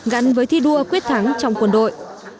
gắn với thi đua quyết thắng trong quân đội